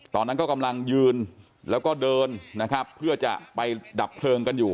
ตอนนั้นก็กำลังยืนแล้วก็เดินนะครับเพื่อจะไปดับเพลิงกันอยู่